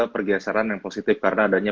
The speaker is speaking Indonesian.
pergeseran yang positif karena adanya